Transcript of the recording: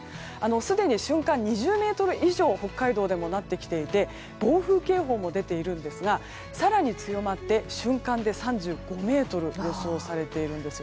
すでに瞬間２０メートル以上北海道でもなってきていて暴風警報も出ていますが更に強まって瞬間で３５メートルが予想されているんです。